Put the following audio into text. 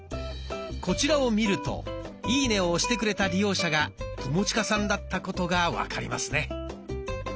こちらを見るといいねを押してくれた利用者が友近さんだったことが分かりますね。